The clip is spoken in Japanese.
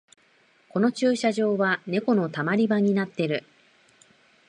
この駐車場はネコのたまり場になってる